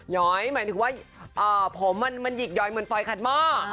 ย้อยหมายถึงว่าผมมันหยิกย้อยเหมือนฝอยขัดหม้อ